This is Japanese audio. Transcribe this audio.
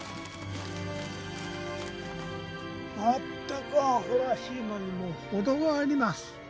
「まったくアホらしいのにも程があります」